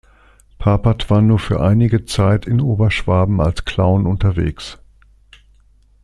Papert war nun für einige Zeit in Oberschwaben als Clown unterwegs.